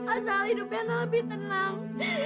asal hidupnya nggak lebih tenang